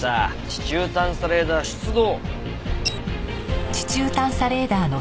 地中探査レーダー出動！